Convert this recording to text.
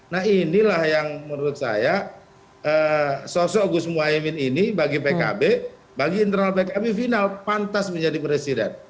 nah inilah yang menurut saya sosok gus muhaymin ini bagi pkb bagi internal pkb final pantas menjadi presiden